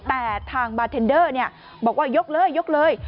แต่ทางบาร์เทนเดอร์บอกว่ายกเลยยกเลย